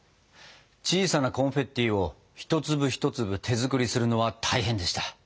小さなコンフェッティを１粒１粒手作りするのは大変でした！